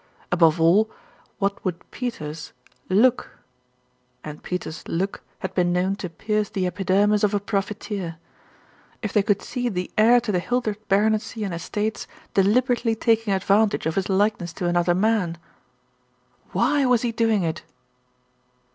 Above all, what would Peters "look" (and Peters' "look" had been known to pierce the epidermis of a profiteer) if they could see the heir to the Hildreth baronetcy and estates deliberately taking advantage of his likeness to another man. Why was he doing it?